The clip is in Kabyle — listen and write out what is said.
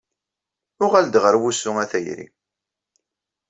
Uɣal-d ɣer wusu a tayri.